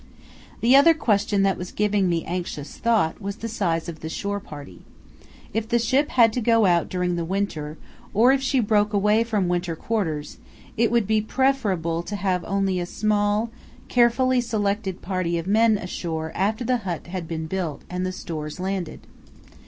The other question that was giving me anxious thought was the size of the shore party. If the ship had to go out during the winter, or if she broke away from winter quarters, it would be preferable to have only a small, carefully selected party of men ashore after the hut had been built and the stores landed.